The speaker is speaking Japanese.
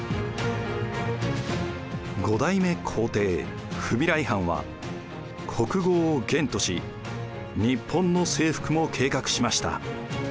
５代目皇帝フビライ・ハンは国号を元とし日本の征服も計画しました。